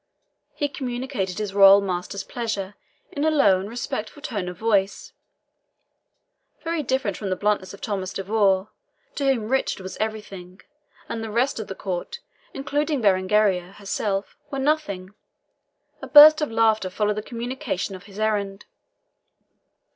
He communicated his royal master's pleasure in a low and respectful tone of voice, very different from the bluntness of Thomas de Vaux, to whom Richard was everything and the rest of the Court, including Berengaria herself, was nothing. A burst of laughter followed the communication of his errand.